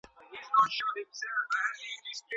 په قلم خط لیکل د معلوماتو تنظیمول اسانه کوي.